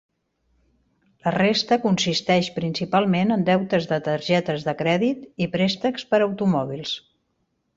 La resta consisteix principalment en deutes de targetes de crèdit i préstecs per automòbils.